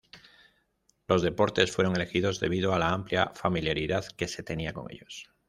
Los deportes fueron elegidos debido a la amplia familiaridad que se tenía con ellos.